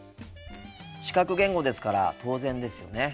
視覚言語ですから当然ですよね。